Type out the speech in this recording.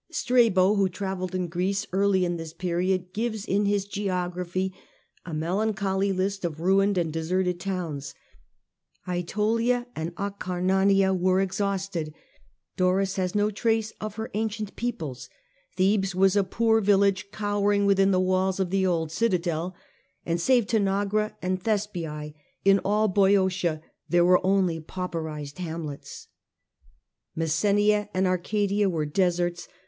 Strabo, who Greece. travelled in Greece early in this period, gives in his geography a melancholy list of ruined and deserted towns, .^tolia and Acarnania were exhausted ; Doris has no trace of her ancient peoples. Thebes was a poor vil lage cowering within the walls of the old citadel ; and save Tanagra and Thespiae in all Boeotia there were only pauperized hamlets. Messenia and Arcadia were deserts.